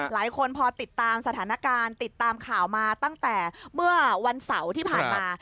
หลายคนพอติดตามสถานการณ์ติดตามข่าวมาตั้งแต่เมื่อวันเสาร์ที่ผ่านมา